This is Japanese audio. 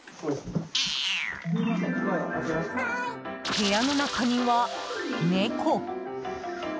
部屋の中には猫。